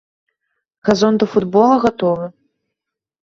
Газон да футбола гатовы.